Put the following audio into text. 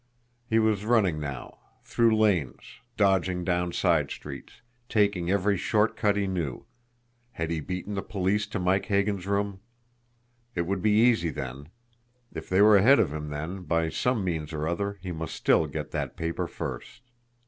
He was running now through lanes, dodging down side streets, taking every short cut he knew. Had he beaten the police to Mike Hagan's room? It would be easy then. If they were ahead of him, then, by some means or other, he must still get that paper first.